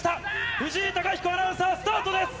藤井貴彦アナウンサー、スタートです。